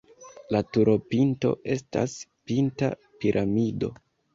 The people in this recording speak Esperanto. La turopinto estas pinta piramido.